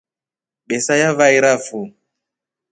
Besa yavairafu.